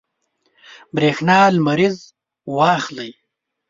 برېښنا لمریز واخلئ.